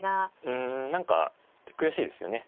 うん何か悔しいですよね。